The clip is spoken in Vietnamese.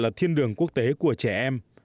là thiên đường quốc tế của trẻ em